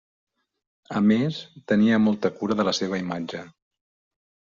A més, tenia molta cura de la seva imatge.